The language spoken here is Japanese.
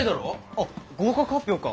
あっ合格発表か。